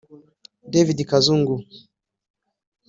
David Kazungu